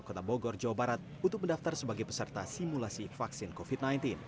kota bogor jawa barat untuk mendaftar sebagai peserta simulasi vaksin covid sembilan belas